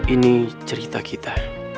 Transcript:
ini cerita kita